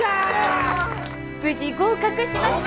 無事合格しました！